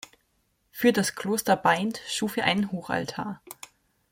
Für das Kloster Baindt schuf er einen Hochaltar.